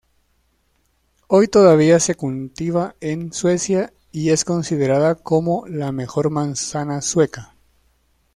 Hoy todavía se cultiva en Suecia y es considerada como la mejor manzana sueca.